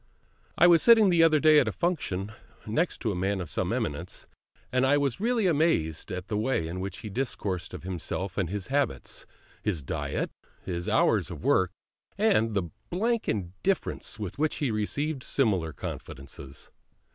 I was sitting the other day at a function next a man of some eminence, and I was really amazed at the way in which he discoursed of himself and his habits, his diet, his hours of work, and the blank indifference with which he received similar confidences.